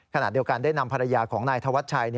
ขณะเดียวกันได้นำภรรยาของนายธวัชชัย